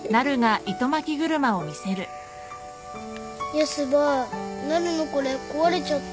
ヤスばなるのこれ壊れちゃった。